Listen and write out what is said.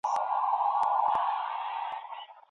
که زده کوونکی هیله ولري نو هره ستونزه زغمي.